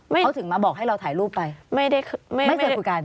เขาถึงมาบอกให้เราถ่ายรูปไปไม่ได้ไม่เคยคุยกัน